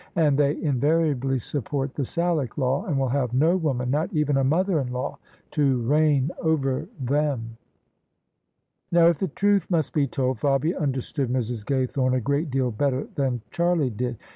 And they invariably support the Salic law, and will have no woman — ^not even a mother in law — to reign over them. [X9I] THE SUBJECTION Now, if the truth must be told, Fabia understood Mrs. Gaythorne a great deal better than Charlie did.